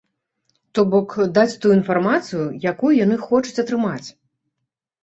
То бок, даць тую інфармацыю, якую яны хочуць атрымаць.